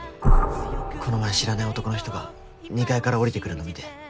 この前知らない男の人が２階から降りて来るの見て。